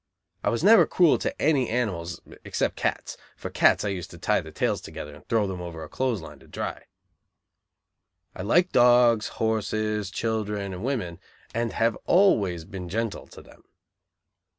I was never cruel to any animals, except cats; for cats, I used to tie their tails together and throw them over a clothesline to dry. I liked dogs, horses, children and women, and have always been gentle to them.